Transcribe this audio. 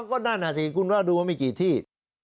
ก็นั่นอ่ะสิคุณว่าดูว่ามีกี่ที่